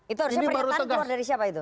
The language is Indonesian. itu harusnya pernyataan keluar dari siapa itu